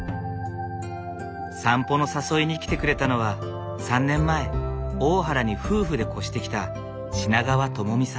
散歩の誘いに来てくれたのは３年前大原に夫婦で越してきた品川友美さん。